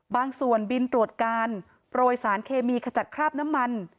บางส่วนบินตรวจการโปรยสารเคมีขจัดคราบน้ำมัน